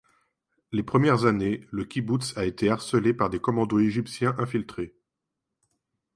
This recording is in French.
Les premières années, le kibboutz a été harcelé par des commandos égyptiens infiltrés.